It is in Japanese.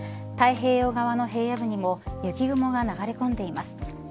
太平洋側の平野部にも雪雲が流れ込んでいます。